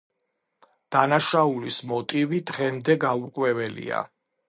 დანაშაულის მოტივი დღემდე გაურკვეველია.